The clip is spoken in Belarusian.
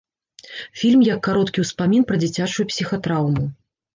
Фільм як кароткі ўспамін пра дзіцячую псіхатраўму.